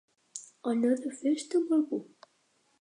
Anà de festa amb algú.